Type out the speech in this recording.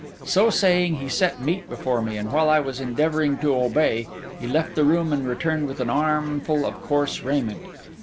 So saying, he set meat before me; and while I was endeavouring to obey, he left the room and returned with an armful of coarse raiment.